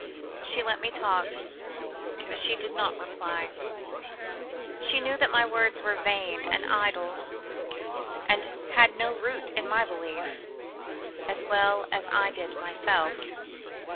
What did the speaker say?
She let me talk; but she did not reply. She knew that my words were vain and idle, and had no root in my belief; as well as I did myself.